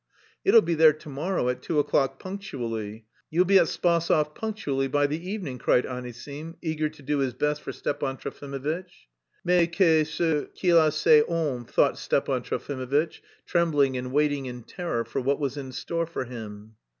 "It'll be there to morrow at two o'clock punctually. You'll be at Spasov punctually by the evening," cried Anisim, eager to do his best for Stepan Trofimovitch. "Mais qu'est ce qu'il a cet homme," thought Stepan Trofimovitch, trembling and waiting in terror for what was in store for him.